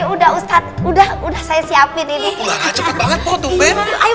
ustadz ini udah ustadz udah udah saya siapin ini